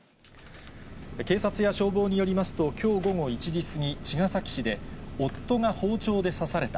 警察や消防によりますと、きょう午後１時過ぎ、茅ヶ崎市で、夫が包丁で刺された。